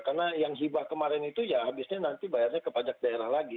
karena yang hibah kemarin itu ya habisnya nanti bayarnya ke pajak daerah lagi